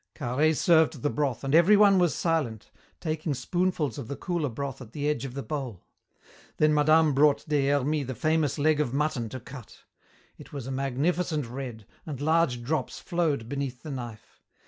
Carhaix served the broth, and everyone was silent, taking spoonfuls of the cooler broth at the edge of the bowl. Then madame brought Des Hermies the famous leg of mutton to cut. It was a magnificent red, and large drops flowed beneath the knife.